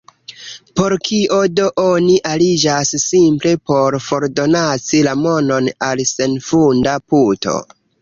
Por kio do oni aliĝas, simple por fordonaci la monon al senfunda puto?